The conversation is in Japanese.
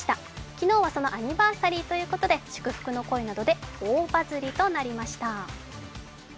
昨日はそのアニバーサリーということで、祝福の声などで大バズりとなりました。